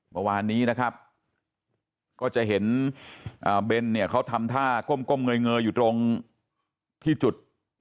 วันวานนี้นะครับก็จะเห็นอ่าเบนเนี่ยเขาทำท่าก้มก้มเงยเงยอยู่ตรงที่จุด